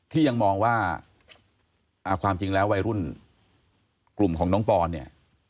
ที่ยังมองว่าความจริงแล้ววัยรุ่นกลุ่มของน้องปอนเนี่ย